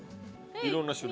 いろんな種類。